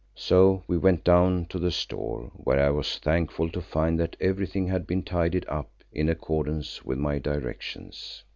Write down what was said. So we went down to the Store, where I was thankful to find that everything had been tidied up in accordance with my directions.